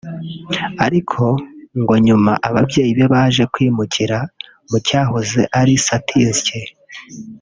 ariko ngo nyuma ababyeyibe baje kwimukira mucyahoze ari Satinsyi